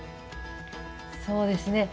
そうですね